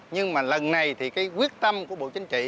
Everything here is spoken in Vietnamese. nhưng mà lần này thì cái quyết tâm của bộ chính trị